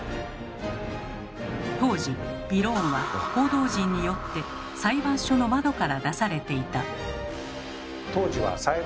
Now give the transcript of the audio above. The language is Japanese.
当時びろーんは報道陣によって裁判所の窓から出されていた。